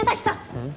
うん？